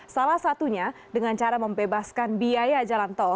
salah satunya dengan cara membebaskan biaya jalan tol